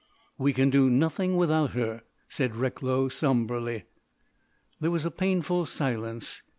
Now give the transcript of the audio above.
"We can do nothing without her," said Recklow sombrely. There was a painful silence.